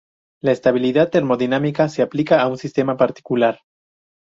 La estabilidad termodinámica se aplica a un sistema particular.